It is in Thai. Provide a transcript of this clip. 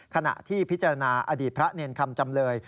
ขณะที่พิจารณาอดีตพระเนรคำจำเลย